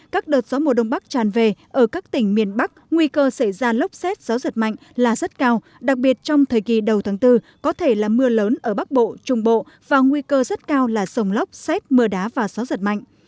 các đợt gió mùa đông bắc tràn về ở các tỉnh miền bắc nguy cơ xảy ra lốc xét gió giật mạnh là rất cao đặc biệt trong thời kỳ đầu tháng bốn có thể là mưa lớn ở bắc bộ trung bộ và nguy cơ rất cao là sông lốc xét mưa đá và gió giật mạnh